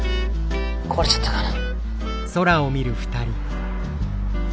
壊れちゃったかな。